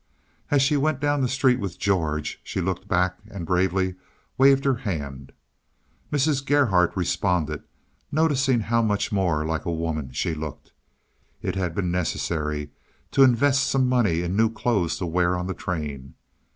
As she went down the street with George she looked back and bravely waved her hand. Mrs. Gerhardt responded, noticing how much more like a woman she looked. It had been necessary to invest some of her money in new clothes to wear on the train.